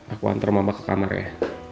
aku antar mama ke kamar ya